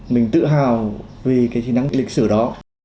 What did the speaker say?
mình tự hào vì cái thi năng lịch sử đó